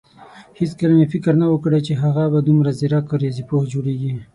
هيڅکله مې فکر نه وو کړی چې هغه به دومره ځيرک رياضيپوه جوړېږي.